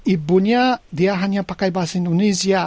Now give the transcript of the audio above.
ibunya dia hanya pakai bahasa indonesia